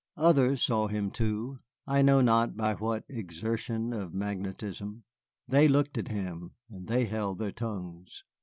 Others saw him too, I know not by what exertion of magnetism. They looked at him and they held their tongues.